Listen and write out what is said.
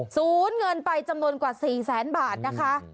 ศูนย์เงินไปจำนวนกว่า๔แสนบาทนะคะ